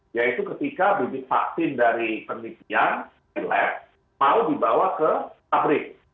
yaitu ketika bibit vaksin dari penelitian lab mau dibawa ke pabrik